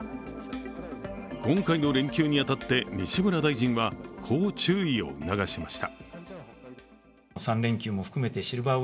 今回の連休に当たって西村大臣はこう注意を促しました。